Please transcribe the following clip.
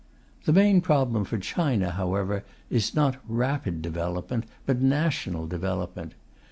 The main problem for China, however, is not rapid development, but national development.